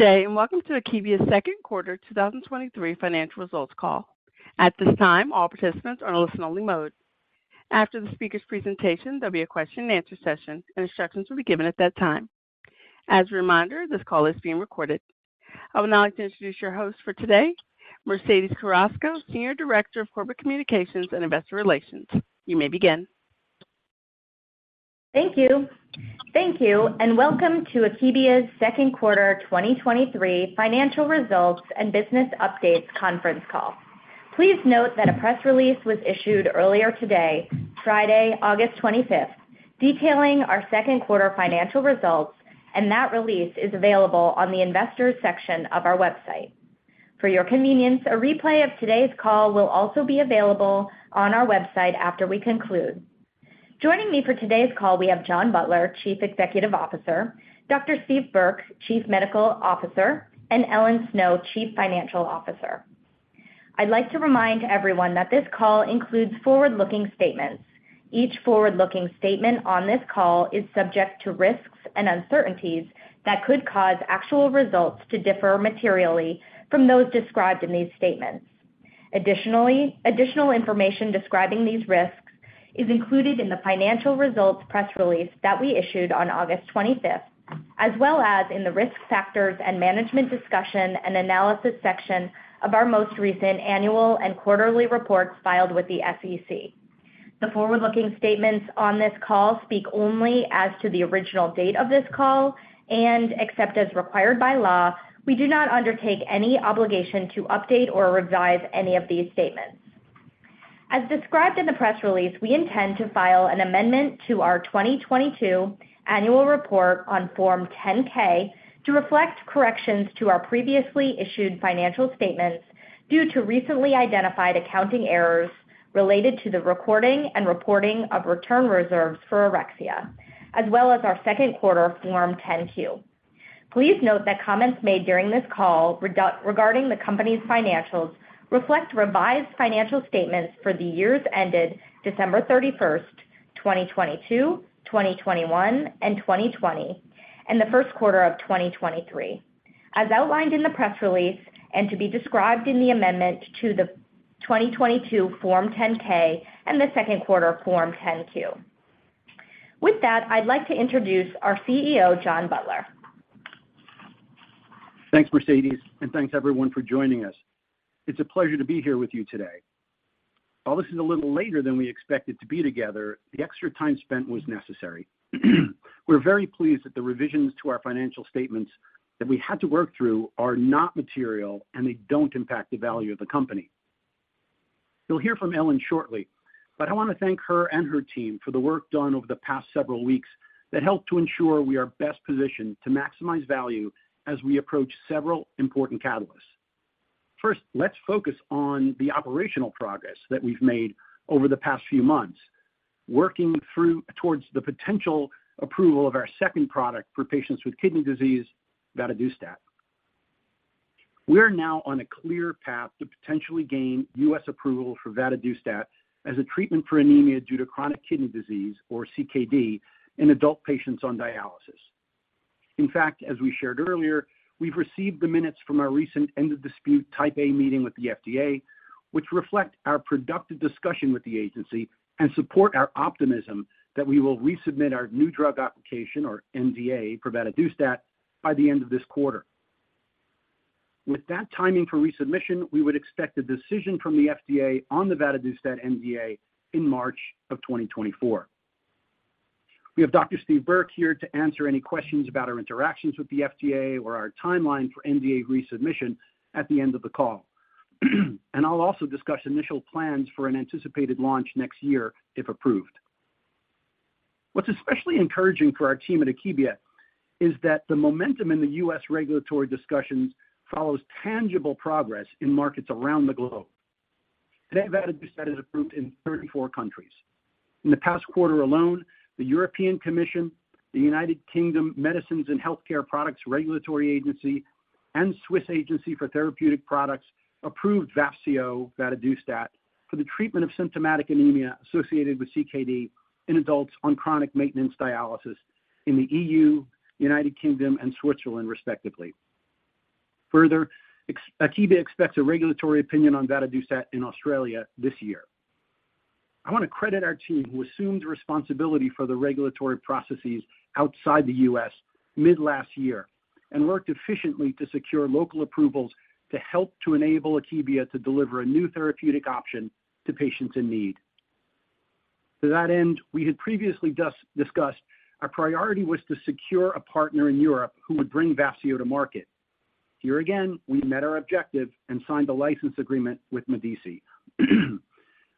Good day, and welcome to Akebia's Second Quarter 2023 financial results call. At this time, all participants are in a listen-only mode. After the speaker's presentation, there'll be a question and answer session, and instructions will be given at that time. As a reminder, this call is being recorded. I would now like to introduce your host for today, Mercedes Carrasco, Senior Director of Corporate Communications and Investor Relations. You may begin. Thank you. Thank you, and welcome to Akebia's second quarter 2023 financial results and business updates conference call. Please note that a press release was issued earlier today, Friday, August 25th, detailing our second quarter financial results, and that release is available on the investors section of our website. For your convenience, a replay of today's call will also be available on our website after we conclude. Joining me for today's call, we have John Butler, Chief Executive Officer, Dr. Steven Burke, Chief Medical Officer, and Ellen Snow, Chief Financial Officer. I'd like to remind everyone that this call includes forward-looking statements. Each forward-looking statement on this call is subject to risks and uncertainties that could cause actual results to differ materially from those described in these statements. Additionally, additional information describing these risks is included in the financial results press release that we issued on August 25, as well as in the Risk Factors and Management Discussion and Analysis section of our most recent annual and quarterly reports filed with the SEC. The forward-looking statements on this call speak only as to the original date of this call, and except as required by law, we do not undertake any obligation to update or revise any of these statements. As described in the press release, we intend to file an amendment to our 2022 annual report on Form 10-K to reflect corrections to our previously issued financial statements due to recently identified accounting errors related to the recording and reporting of return reserves for Auryxia, as well as our second quarter Form 10-Q. Please note that comments made during this call regarding the company's financials reflect revised financial statements for the years ended December 31, 2022, 2021, and 2020, and the first quarter of 2023, as outlined in the press release and to be described in the amendment to the 2022 Form 10-K and the second quarter Form 10-Q. With that, I'd like to introduce our CEO, John Butler. Thanks, Mercedes, and thanks everyone for joining us. It's a pleasure to be here with you today. While this is a little later than we expected to be together, the extra time spent was necessary. We're very pleased that the revisions to our financial statements that we had to work through are not material, and they don't impact the value of the company. You'll hear from Ellen shortly, but I want to thank her and her team for the work done over the past several weeks that helped to ensure we are best positioned to maximize value as we approach several important catalysts. First, let's focus on the operational progress that we've made over the past few months, working through towards the potential approval of our second product for patients with kidney disease, vadadustat. We are now on a clear path to potentially gain U.S. approval for vadadustat as a treatment for anemia due to chronic kidney disease, or CKD, in adult patients on dialysis. In fact, as we shared earlier, we've received the minutes from our recent End of Dispute Type A meeting with the FDA, which reflect our productive discussion with the agency and support our optimism that we will resubmit our new drug application, or NDA, for vadadustat by the end of this quarter. With that timing for resubmission, we would expect a decision from the FDA on the vadadustat NDA in March of 2024. We have Dr. Steven Burke here to answer any questions about our interactions with the FDA or our timeline for NDA resubmission at the end of the call. I'll also discuss initial plans for an anticipated launch next year, if approved. What's especially encouraging for our team at Akebia is that the momentum in the U.S. regulatory discussions follows tangible progress in markets around the globe. Today, vadadustat is approved in 34 countries. In the past quarter alone, the European Commission, the United Kingdom Medicines and Healthcare Products Regulatory Agency, and Swiss Agency for Therapeutic Products approved Vafseo vadadustat for the treatment of symptomatic anemia associated with CKD in adults on chronic maintenance dialysis in the EU, United Kingdom, and Switzerland, respectively. Further, Akebia expects a regulatory opinion on vadadustat in Australia this year. I want to credit our team, who assumed responsibility for the regulatory processes outside the U.S. mid-last year and worked efficiently to secure local approvals to help to enable Akebia to deliver a new therapeutic option to patients in need. To that end, we had previously discussed our priority was to secure a partner in Europe who would bring Vafseo to market. Here again, we met our objective and signed a license agreement with MEDICE.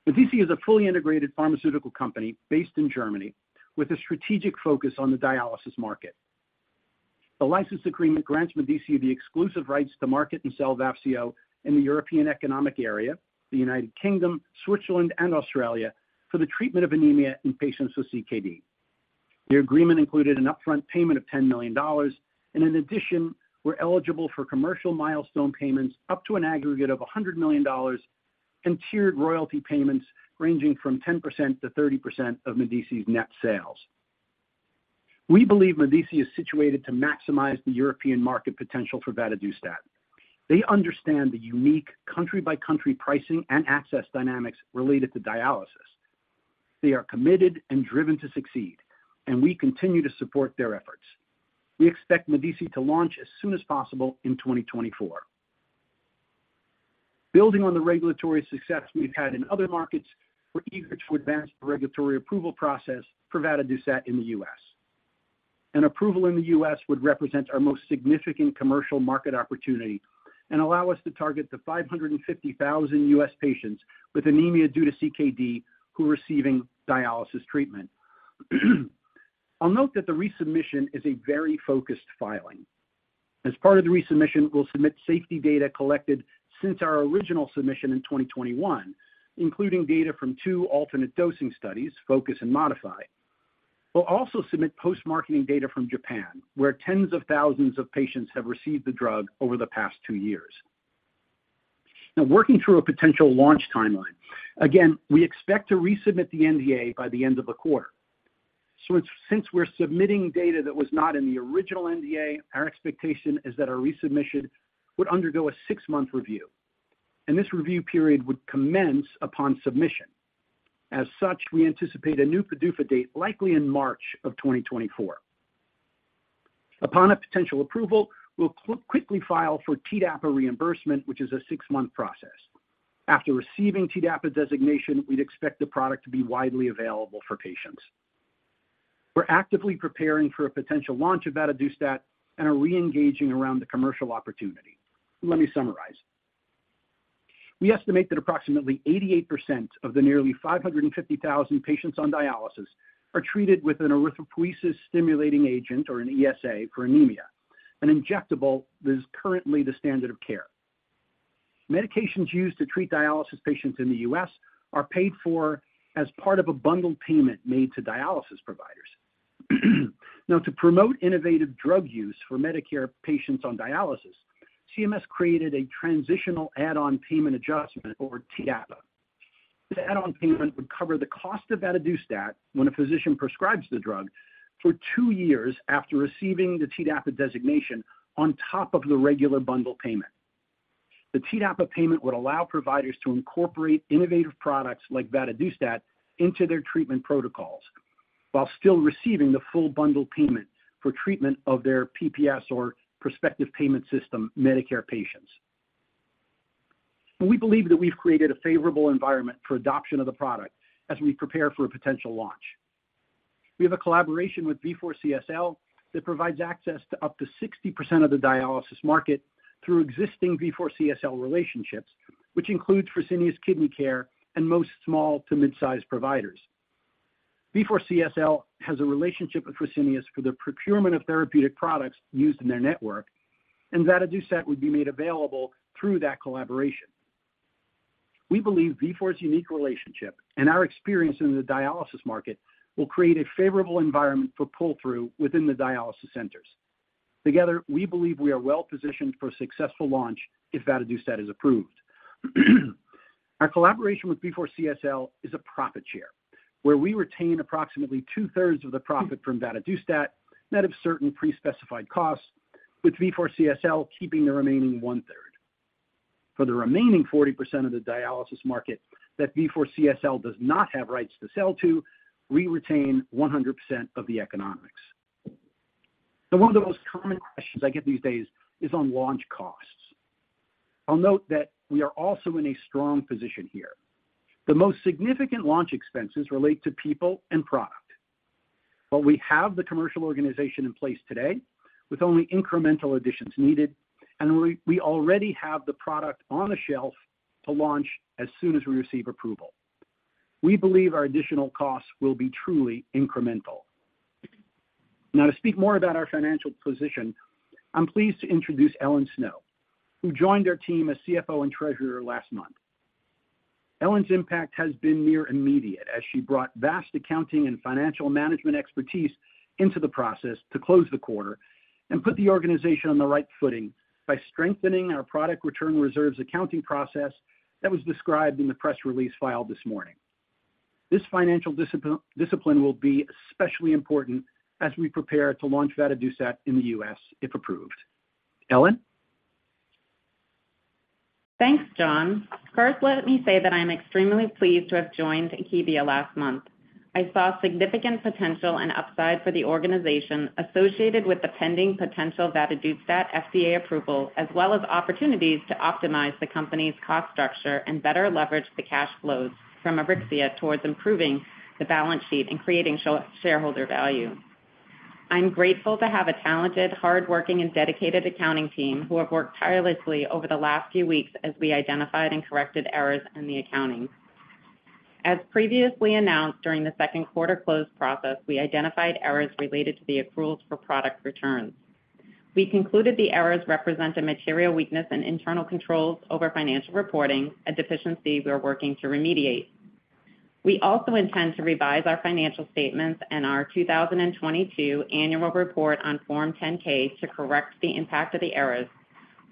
MEDICE is a fully integrated pharmaceutical company based in Germany with a strategic focus on the dialysis market. The license agreement grants MEDICE the exclusive rights to market and sell Vafseo in the European Economic Area, the United Kingdom, Switzerland, and Australia for the treatment of anemia in patients with CKD. The agreement included an upfront payment of $10 million, and in addition, we're eligible for commercial milestone payments up to an aggregate of $100 million and tiered royalty payments ranging from 10% to 30% of MEDICE's net sales. We believe MEDICE is situated to maximize the European market potential for vadadustat. They understand the unique country-by-country pricing and access dynamics related to dialysis. They are committed and driven to succeed, and we continue to support their efforts. We expect MEDICE to launch as soon as possible in 2024. Building on the regulatory success we've had in other markets, we're eager to advance the regulatory approval process for vadadustat in the U.S. An approval in the U.S. would represent our most significant commercial market opportunity and allow us to target the 550,000 U.S. patients with anemia due to CKD who are receiving dialysis treatment. I'll note that the resubmission is a very focused filing. As part of the resubmission, we'll submit safety data collected since our original submission in 2021, including data from two alternate dosing studies, FO2CUS and MODIFY. We'll also submit post-marketing data from Japan, where tens of thousands of patients have received the drug over the past two years. Now, working through a potential launch timeline. Again, we expect to resubmit the NDA by the end of the quarter. So since we're submitting data that was not in the original NDA, our expectation is that our resubmission would undergo a six-month review, and this review period would commence upon submission. As such, we anticipate a new PDUFA date, likely in March of 2024. Upon a potential approval, we'll quickly file for TDAPA reimbursement, which is a six-month process. After receiving TDAPA designation, we'd expect the product to be widely available for patients. We're actively preparing for a potential launch of vadadustat and are reengaging around the commercial opportunity. Let me summarize. We estimate that approximately 88% of the nearly 550,000 patients on dialysis are treated with an erythropoiesis-stimulating agent, or an ESA, for anemia. An injectable is currently the standard of care. Medications used to treat dialysis patients in the U.S. are paid for as part of a bundled payment made to dialysis providers. Now, to promote innovative drug use for Medicare patients on dialysis, CMS created a transitional add-on payment adjustment or TDAPA. This add-on payment would cover the cost of vadadustat when a physician prescribes the drug for two years after receiving the TDAPA designation on top of the regular bundle payment. The TDAPA payment would allow providers to incorporate innovative products like vadadustat into their treatment protocols while still receiving the full bundle payment for treatment of their PPS or prospective payment system Medicare patients. We believe that we've created a favorable environment for adoption of the product as we prepare for a potential launch. We have a collaboration with Vifor CSL that provides access to up to 60% of the dialysis market through existing Vifor CSL relationships, which includes Fresenius Kidney Care and most small to mid-sized providers. Vifor CSL has a relationship with Fresenius for the procurement of therapeutic products used in their network, and vadadustat would be made available through that collaboration. We believe Vifor's unique relationship and our experience in the dialysis market will create a favorable environment for pull-through within the dialysis centers. Together, we believe we are well positioned for a successful launch if vadadustat is approved. Our collaboration with Vifor CSL is a profit share, where we retain approximately two-thirds of the profit from vadadustat, net of certain pre-specified costs, with Vifor CSL keeping the remaining one-third. For the remaining 40% of the dialysis market that Vifor CSL does not have rights to sell to, we retain 100% of the economics. So one of the most common questions I get these days is on launch costs. I'll note that we are also in a strong position here. The most significant launch expenses relate to people and product, but we have the commercial organization in place today with only incremental additions needed, and we already have the product on the shelf to launch as soon as we receive approval. We believe our additional costs will be truly incremental. Now, to speak more about our financial position, I'm pleased to introduce Ellen Snow, who joined our team as CFO and Treasurer last month. Ellen's impact has been near immediate, as she brought vast accounting and financial management expertise into the process to close the quarter and put the organization on the right footing by strengthening our product return reserves accounting process that was described in the press release filed this morning. This financial discipline will be especially important as we prepare to launch vadadustat in the U.S., if approved. Ellen? Thanks, John. First, let me say that I am extremely pleased to have joined Akebia last month. I saw significant potential and upside for the organization associated with the pending potential vadadustat FDA approval, as well as opportunities to optimize the company's cost structure and better leverage the cash flows from Auryxia towards improving the balance sheet and creating shareholder value. I'm grateful to have a talented, hardworking, and dedicated accounting team who have worked tirelessly over the last few weeks as we identified and corrected errors in the accounting. As previously announced, during the second quarter close process, we identified errors related to the accruals for product returns. We concluded the errors represent a material weakness in internal controls over financial reporting, a deficiency we are working to remediate.... We also intend to revise our financial statements and our 2022 annual report on Form 10-K to correct the impact of the errors,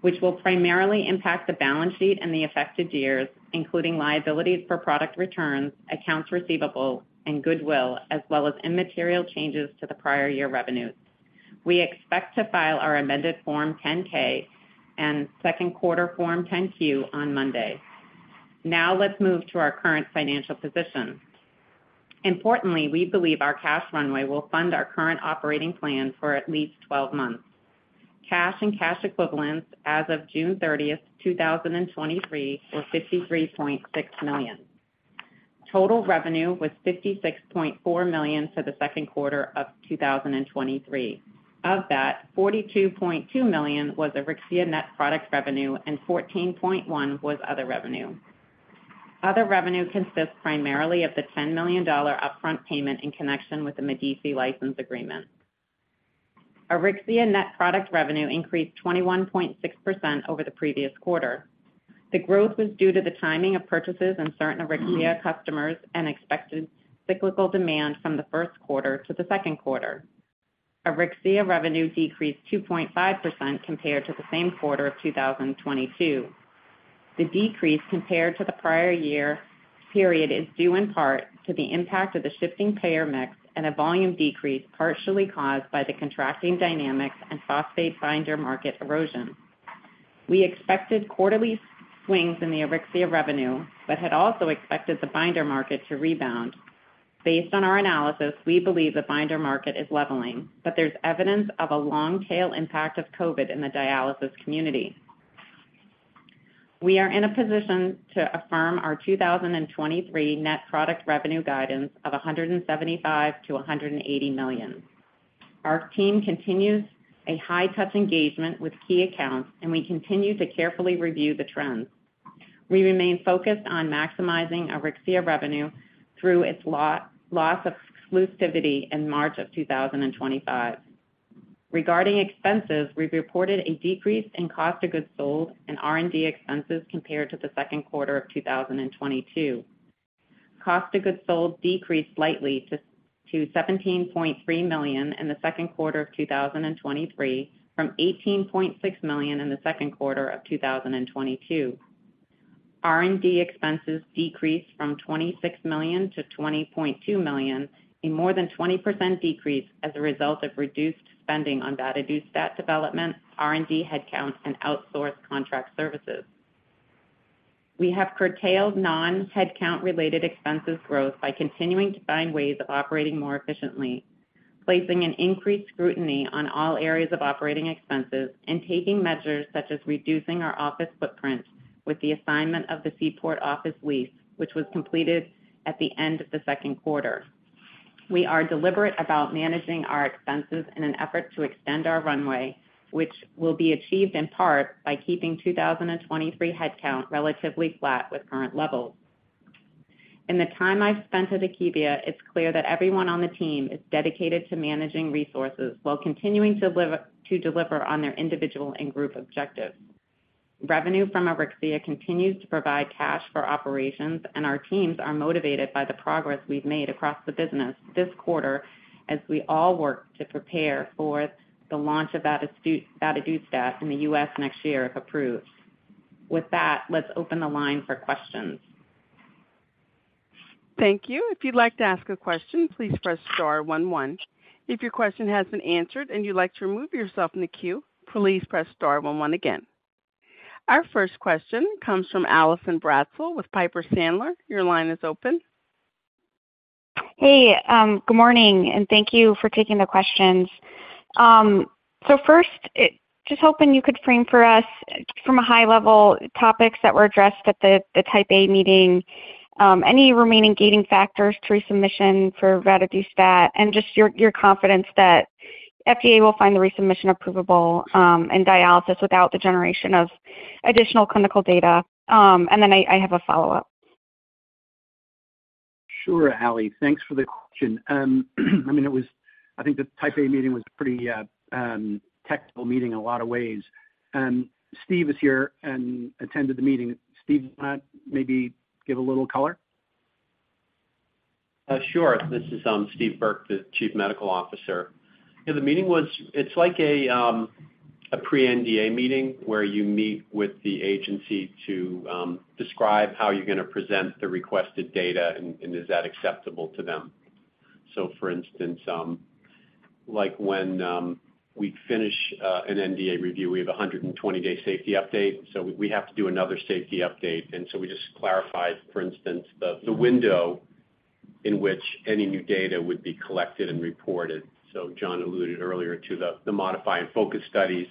which will primarily impact the balance sheet and the affected years, including liabilities for product returns, accounts receivable, and goodwill, as well as immaterial changes to the prior year revenues. We expect to file our amended Form 10-K and second quarter Form 10-Q on Monday. Now let's move to our current financial position. Importantly, we believe our cash runway will fund our current operating plan for at least 12 months. Cash and cash equivalents as of June 30, 2023, were $53.6 million. Total revenue was $56.4 million for the second quarter of 2023. Of that, $42.2 million was Auryxia net product revenue, and $14.1 million was other revenue. Other revenue consists primarily of the $10 million upfront payment in connection with the MEDICE license agreement. Auryxia net product revenue increased 21.6% over the previous quarter. The growth was due to the timing of purchases in certain Auryxia customers and expected cyclical demand from the first quarter to the second quarter. Auryxia revenue decreased 2.5% compared to the same quarter of 2022. The decrease compared to the prior year period is due in part to the impact of the shifting payer mix and a volume decrease, partially caused by the contracting dynamics and phosphate binder market erosion. We expected quarterly swings in the Auryxia revenue, but had also expected the binder market to rebound. Based on our analysis, we believe the binder market is leveling, but there's evidence of a long tail impact of COVID in the dialysis community. We are in a position to affirm our 2023 net product revenue guidance of $175 million-$180 million. Our team continues a high-touch engagement with key accounts, and we continue to carefully review the trends. We remain focused on maximizing Auryxia revenue through its loss of exclusivity in March 2025. Regarding expenses, we've reported a decrease in cost of goods sold and R&D expenses compared to the second quarter of 2022. Cost of goods sold decreased slightly to $17.3 million in the second quarter of 2023, from $18.6 million in the second quarter of 2022. R&D expenses decreased from $26 million to $20.2 million, a more than 20% decrease as a result of reduced spending on vadadustat development, R&D headcount, and outsourced contract services. We have curtailed non-headcount related expenses growth by continuing to find ways of operating more efficiently, placing an increased scrutiny on all areas of operating expenses, and taking measures such as reducing our office footprint with the assignment of the Seaport Office lease, which was completed at the end of the second quarter. We are deliberate about managing our expenses in an effort to extend our runway, which will be achieved in part by keeping 2023 headcount relatively flat with current levels. In the time I've spent at Akebia, it's clear that everyone on the team is dedicated to managing resources while continuing to deliver on their individual and group objectives. Revenue from Auryxia continues to provide cash for operations, and our teams are motivated by the progress we've made across the business this quarter as we all work to prepare for the launch of vadadustat in the U.S. next year, if approved. With that, let's open the line for questions. Thank you. If you'd like to ask a question, please press star one, one. If your question has been answered and you'd like to remove yourself from the queue, please press star one, one again. Our first question comes from Allison Bratzel with Piper Sandler. Your line is open. Hey, good morning, and thank you for taking the questions. So first, just hoping you could frame for us from a high level topics that were addressed at the, the Type A meeting, any remaining gating factors to resubmission for vadadustat, and just your, your confidence that FDA will find the resubmission approvable, in dialysis without the generation of additional clinical data. And then I have a follow-up. Sure, Allie, thanks for the question. I mean, it was. I think the Type A meeting was a pretty technical meeting in a lot of ways. Steve is here and attended the meeting. Steve, want to maybe give a little color? Sure. This is Steve Burke, the Chief Medical Officer. Yeah, the meeting was. It's like a pre-NDA meeting, where you meet with the agency to describe how you're gonna present the requested data and is that acceptable to them. So for instance, like when we finish an NDA review, we have a 120-day safety update, so we have to do another safety update, and so we just clarified, for instance, the window in which any new data would be collected and reported. So John alluded earlier to the MODIFY and FO2CUS studies.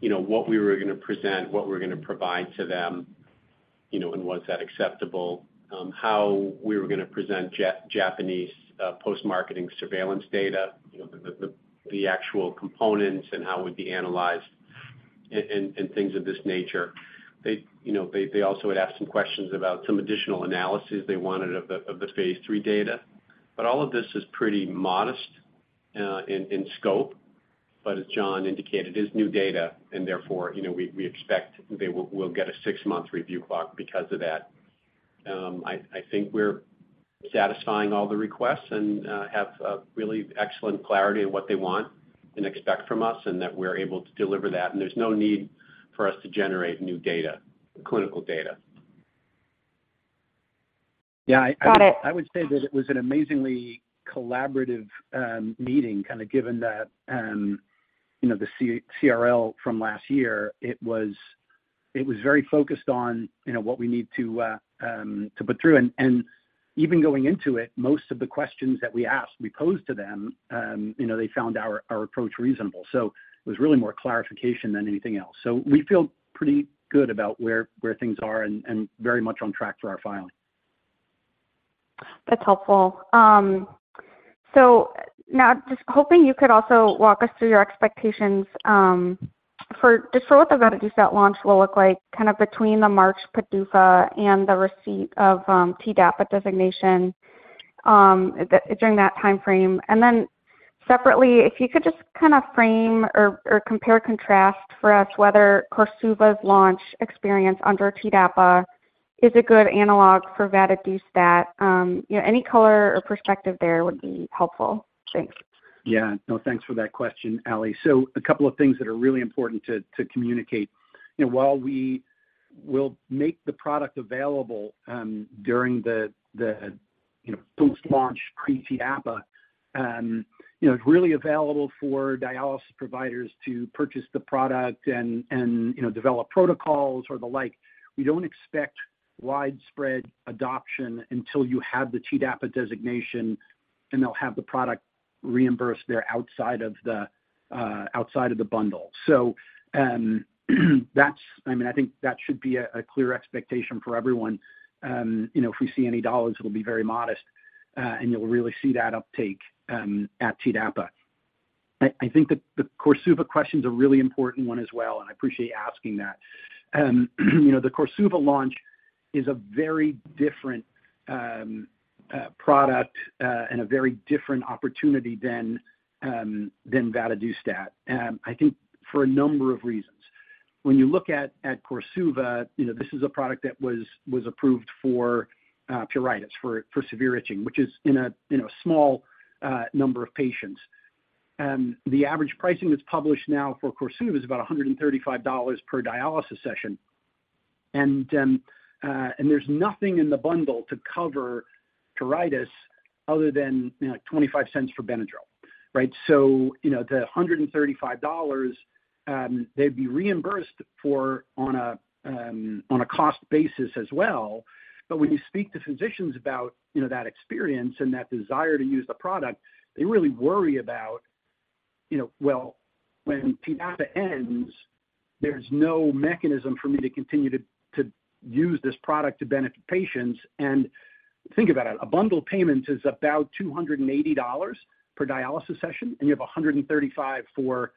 You know, what we were gonna present, what we're gonna provide to them, you know, and was that acceptable? How we were gonna present Japanese post-marketing surveillance data, you know, the actual components and how it would be analyzed and things of this nature. They, you know, they also had asked some questions about some additional analysis they wanted of the phase three data. But all of this is pretty modest in scope, but as John indicated, it's new data, and therefore, you know, we expect we'll get a six-month review clock because of that. I think we're satisfying all the requests and have a really excellent clarity on what they want and expect from us, and that we're able to deliver that, and there's no need for us to generate new data, clinical data. Yeah, I- Got it. I would say that it was an amazingly collaborative meeting, kind of given that, you know, the CRL from last year. It was very focused on, you know, what we need to put through. And even going into it, most of the questions that we asked, we posed to them, you know, they found our approach reasonable. So it was really more clarification than anything else. So we feel pretty good about where things are and very much on track for our filing. That's helpful. So now just hoping you could also walk us through your expectations for just so what the vadadustat launch will look like, kind of between the March PDUFA and the receipt of TDAPA designation during that time frame. And then separately, if you could just kind of frame or compare, contrast for us whether Korsuva's launch experience under TDAPA is a good analog for vadadustat. You know, any color or perspective there would be helpful. Thanks. Yeah. No, thanks for that question, Ally. So a couple of things that are really important to communicate. You know, while we will make the product available during the post-launch pre-TDAPA, you know, it's really available for dialysis providers to purchase the product and develop protocols or the like. We don't expect widespread adoption until you have the TDAPA designation, and they'll have the product reimbursed there outside of the bundle. So, that's. I mean, I think that should be a clear expectation for everyone. You know, if we see any dollars, it'll be very modest, and you'll really see that uptake at TDAPA. I think the Korsuva question is a really important one as well, and I appreciate you asking that. You know, the Korsuva launch is a very different product and a very different opportunity than vadadustat, I think for a number of reasons. When you look at Korsuva, you know, this is a product that was approved for pruritus, for severe itching, which is in a small number of patients. The average pricing that's published now for Korsuva is about $135 per dialysis session. And, and there's nothing in the bundle to cover pruritus other than, you know, $0.25 for Benadryl, right? So, you know, the $135, they'd be reimbursed for on a cost basis as well. But when you speak to physicians about, you know, that experience and that desire to use the product, they really worry about, you know, well, when TDAPA ends, there's no mechanism for me to continue to use this product to benefit patients. And think about it, a bundle payment is about $280 per dialysis session, and you have a $135 for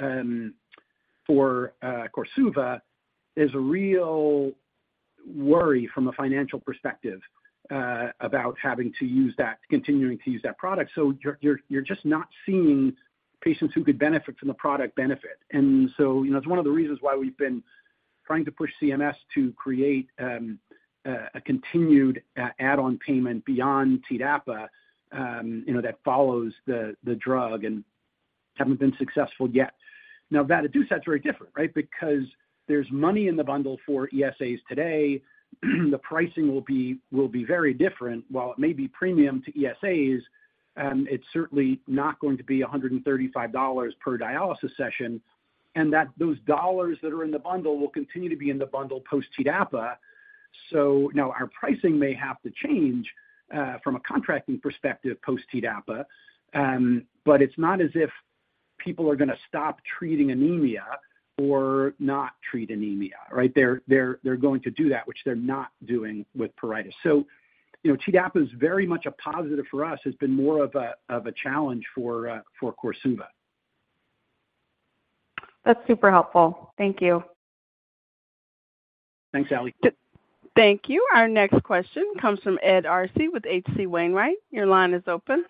Korsuva, is a real worry from a financial perspective about having to use that, continuing to use that product. So you're just not seeing patients who could benefit from the product benefit. And so, you know, it's one of the reasons why we've been trying to push CMS to create a continued add-on payment beyond TDAPA, you know, that follows the drug and haven't been successful yet. Now, vadadustat is very different, right? Because there's money in the bundle for ESAs today. The pricing will be, will be very different. While it may be premium to ESAs, it's certainly not going to be $135 per dialysis session, and that those dollars that are in the bundle will continue to be in the bundle post-TDAPA. So now our pricing may have to change, from a contracting perspective, post-TDAPA, but it's not as if people are gonna stop treating anemia or not treat anemia, right? They're going to do that, which they're not doing with pruritus. So, you know, TDAPA is very much a positive for us, it's been more of a, of a challenge for, for Korsuva. That's super helpful. Thank you. Thanks, Ally. Thank you. Our next question comes from Ed Arce with H.C. Wainwright. Your line is open.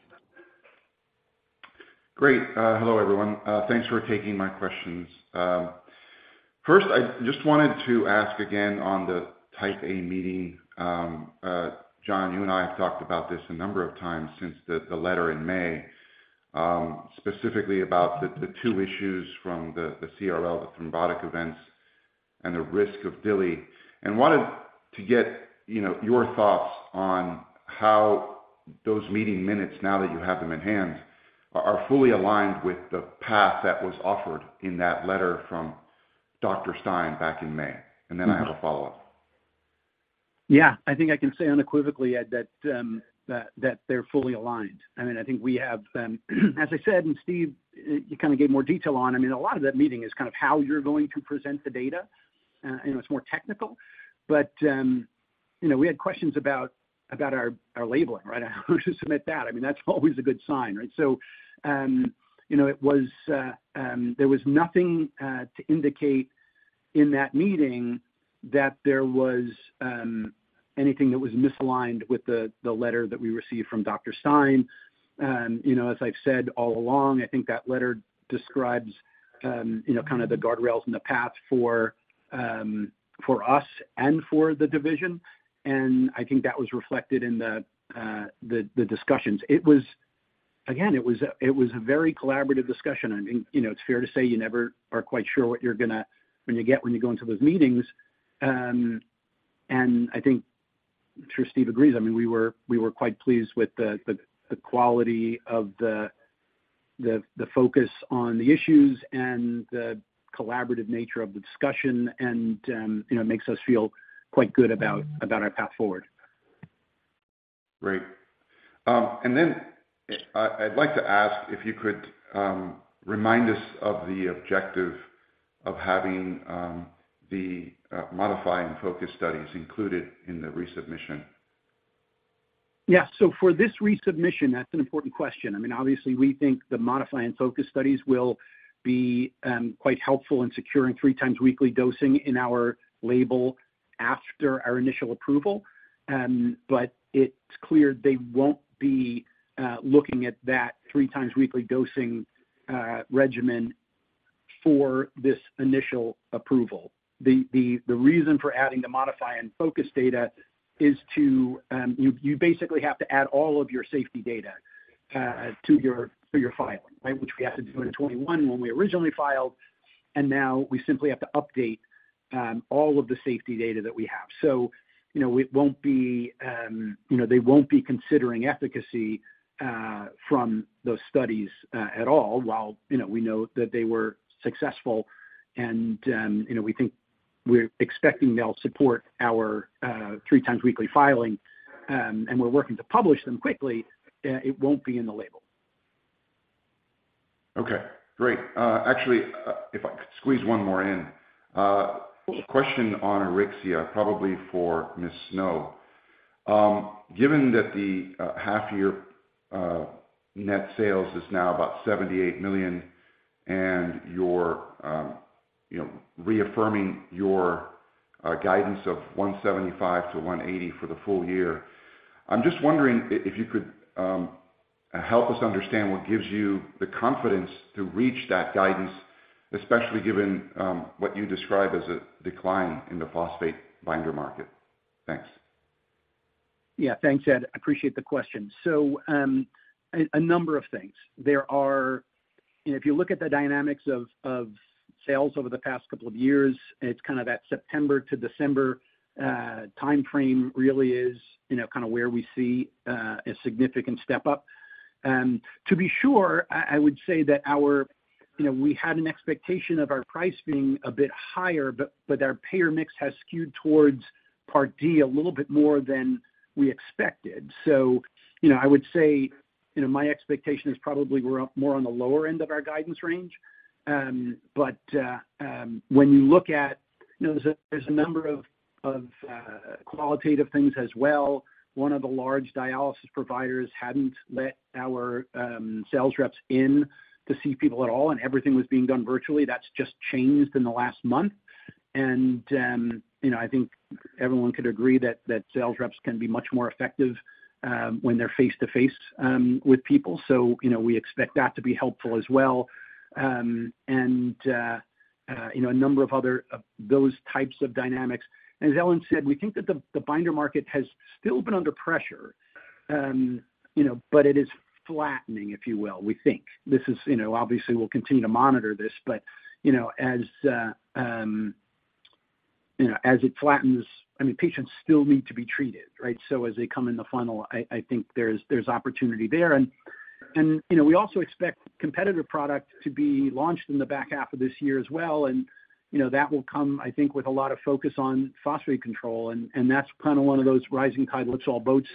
Great. Hello, everyone. Thanks for taking my questions. First, I just wanted to ask again on the Type A meeting, John, you and I have talked about this a number of times since the letter in May, specifically about the two issues from the CRL, the thrombotic events and the risk of DILI. And wanted to get, you know, your thoughts on how those meeting minutes, now that you have them in hand, are fully aligned with the path that was offered in that letter from Dr. Stein back in May. Mm-hmm. Then I have a follow-up. Yeah, I think I can say unequivocally, Ed, that they're fully aligned. I mean, I think we have, as I said, and Steve, you kind of gave more detail on, I mean, a lot of that meeting is kind of how you're going to present the data, and it's more technical. But, you know, we had questions about our labeling, right? How to submit that. I mean, that's always a good sign, right? So, you know, it was... There was nothing to indicate in that meeting that there was anything that was misaligned with the letter that we received from Dr. Stein. And, you know, as I've said all along, I think that letter describes, you know, kind of the guardrails and the path for us and for the division. I think that was reflected in the discussions. It was again a very collaborative discussion. I mean, you know, it's fair to say you never are quite sure what you're gonna get when you go into those meetings. I think I'm sure Steve agrees. I mean, we were quite pleased with the quality of the focus on the issues and the collaborative nature of the discussion, and you know, it makes us feel quite good about our path forward. Great. And then I'd like to ask if you could remind us of the objective of having the MODIFY and FO2CUS studies included in the resubmission. Yeah. So for this resubmission, that's an important question. I mean, obviously, we think the MODIFY and FO2CUS studies will be quite helpful in securing three times weekly dosing in our label after our initial approval. But it's clear they won't be looking at that three times weekly dosing regimen for this initial approval. The reason for adding the MODIFY and FO2CUS data is to you basically have to add all of your safety data to your filing, right? Which we had to do in 2021 when we originally filed, and now we simply have to update all of the safety data that we have. So, you know, it won't be, you know, they won't be considering efficacy from those studies at all, while, you know, we know that they were successful and, you know, we think we're expecting they'll support our three times weekly filing, and we're working to publish them quickly. It won't be in the label. Okay, great. Actually, if I could squeeze one more in. Please. A question on Auryxia, probably for Ms. Snow. Given that the half year net sales is now about $78 million, and you're, you know, reaffirming your guidance of $175 million-$180 million for the full year, I'm just wondering if you could help us understand what gives you the confidence to reach that guidance, especially given what you describe as a decline in the phosphate binder market. Thanks. Yeah. Thanks, Ed. I appreciate the question. So, a number of things. There are... You know, if you look at the dynamics of sales over the past couple of years, it's kind of that September to December timeframe really is, you know, kind of where we see a significant step up. To be sure, I would say that our—you know, we had an expectation of our price being a bit higher, but our payer mix has skewed towards part D a little bit more than we expected. So, you know, I would say, you know, my expectation is probably we're up more on the lower end of our guidance range. But when you look at, you know, there's a number of qualitative things as well. One of the large dialysis providers hadn't let our sales reps in to see people at all, and everything was being done virtually. That's just changed in the last month. And you know, I think everyone could agree that sales reps can be much more effective when they're face-to-face with people. So you know, we expect that to be helpful as well. And you know, a number of other those types of dynamics. As Ellen said, we think that the binder market has still been under pressure you know, but it is flattening, if you will, we think. This is you know, obviously, we'll continue to monitor this, but you know, as you know, as it flattens, I mean, patients still need to be treated, right? So as they come in the funnel, I think there's opportunity there. And, you know, we also expect competitive product to be launched in the back half of this year as well. And, you know, that will come, I think, with a lot of focus on phosphate control, and that's kind of one of those rising tide lifts all boats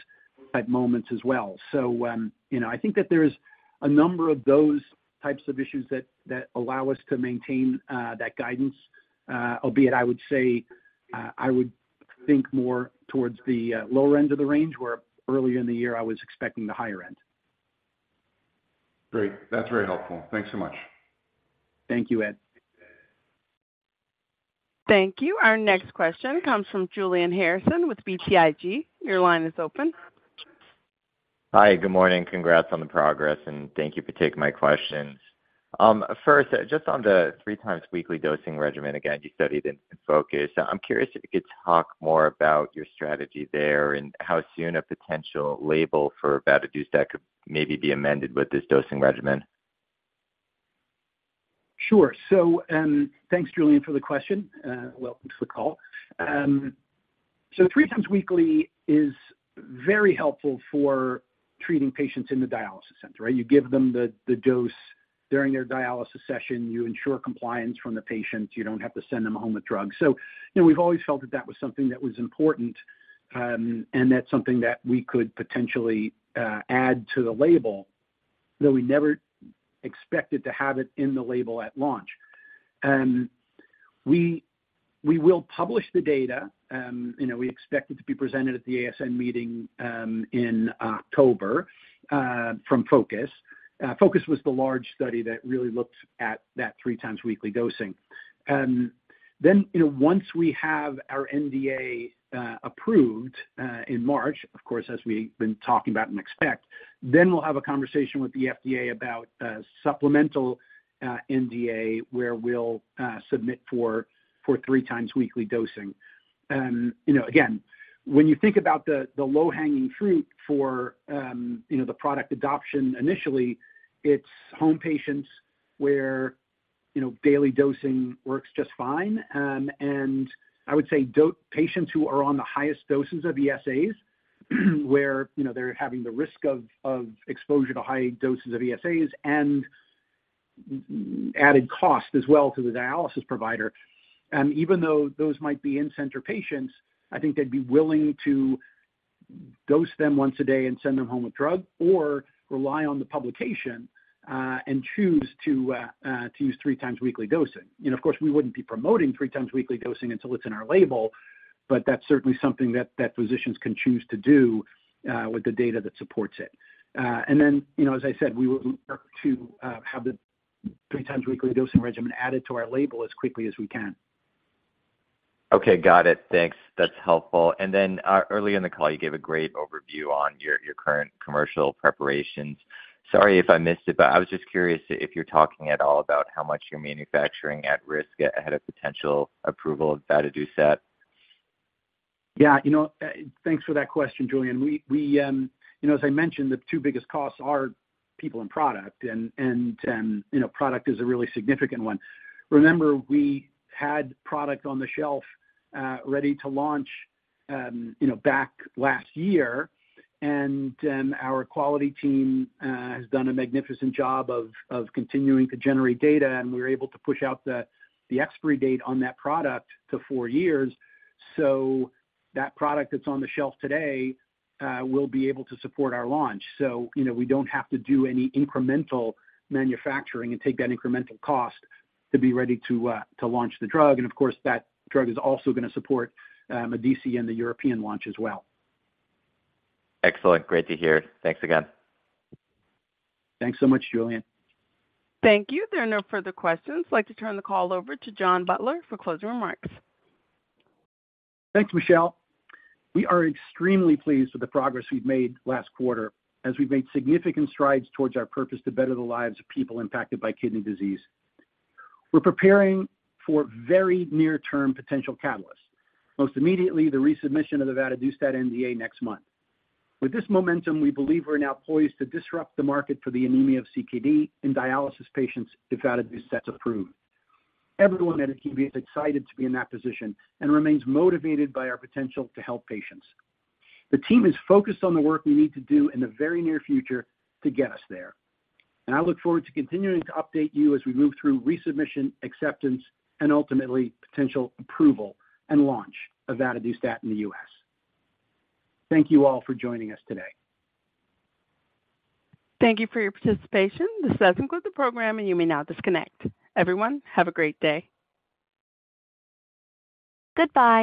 type moments as well. So, you know, I think that there's a number of those types of issues that allow us to maintain that guidance. Albeit I would say, I would think more towards the lower end of the range, where earlier in the year, I was expecting the higher end. Great. That's very helpful. Thanks so much. Thank you, Ed. Thank you. Our next question comes from Julian Harrison with BTIG. Your line is open. Hi, good morning. Congrats on the progress, and thank you for taking my questions. First, just on the three times weekly dosing regimen, again, you studied in FO2CUS. I'm curious if you could talk more about your strategy there and how soon a potential label for vadadustat could maybe be amended with this dosing regimen. Sure. So, Thanks, Julian, for the question, welcome to the call. So three times weekly is very helpful for treating patients in the dialysis center, right? You give them the dose during their dialysis session, you ensure compliance from the patients, you don't have to send them home with drugs. So, you know, we've always felt that that was something that was important, and that's something that we could potentially add to the label, though we never expected to have it in the label at launch. We will publish the data. You know, we expect it to be presented at the ASN meeting in October from FO2CUS. FO2CUS was the large study that really looked at that three times weekly dosing. Then, you know, once we have our NDA approved in March, of course, as we've been talking about and expect, then we'll have a conversation with the FDA about supplemental NDA, where we'll submit for three times weekly dosing. You know, again, when you think about the low-hanging fruit for the product adoption initially, it's home patients where daily dosing works just fine. And I would say dialysis patients who are on the highest doses of ESAs, where they're having the risk of exposure to high doses of ESAs and added cost as well to the dialysis provider. Even though those might be in-center patients, I think they'd be willing to dose them once a day and send them home with drug, or rely on the publication, and choose to use three times weekly dosing. You know, of course, we wouldn't be promoting three times weekly dosing until it's in our label, but that's certainly something that physicians can choose to do, with the data that supports it. And then, you know, as I said, we will work to have the three times weekly dosing regimen added to our label as quickly as we can. Okay, got it. Thanks, that's helpful. Then, early in the call, you gave a great overview on your current commercial preparations. Sorry if I missed it, but I was just curious if you're talking at all about how much you're manufacturing at risk ahead of potential approval of vadadustat? Yeah, you know, thanks for that question, Julian. You know, as I mentioned, the two biggest costs are people and product, you know, product is a really significant one. Remember, we had product on the shelf, ready to launch, you know, back last year. Our quality team has done a magnificent job of continuing to generate data, and we were able to push out the expiry date on that product to four years. So that product that's on the shelf today will be able to support our launch. So, you know, we don't have to do any incremental manufacturing and take that incremental cost to be ready to launch the drug. And of course, that drug is also gonna support MEDICE and the European launch as well. Excellent. Great to hear. Thanks again. Thanks so much, Julian. Thank you. There are no further questions. I'd like to turn the call over to John Butler for closing remarks. Thanks, Michelle. We are extremely pleased with the progress we've made last quarter, as we've made significant strides towards our purpose to better the lives of people impacted by kidney disease. We're preparing for very near-term potential catalysts. Most immediately, the resubmission of the vadadustat NDA next month. With this momentum, we believe we're now poised to disrupt the market for the anemia of CKD in dialysis patients, if vadadustat's approved. Everyone at Akebia is excited to be in that position and remains motivated by our potential to help patients. The team is focused on the work we need to do in the very near future to get us there, and I look forward to continuing to update you as we move through resubmission, acceptance, and ultimately, potential approval and launch of vadadustat in the U.S. Thank you all for joining us today. Thank you for your participation. This does conclude the program, and you may now disconnect. Everyone, have a great day. Goodbye.